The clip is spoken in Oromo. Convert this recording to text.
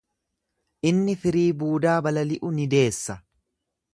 Inni firii buudaa balali’u ni deessa.